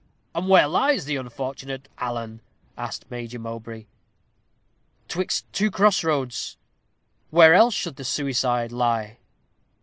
"And where lies the unfortunate Alan?" asked Major Mowbray. "'Twixt two cross roads. Where else should the suicide lie?"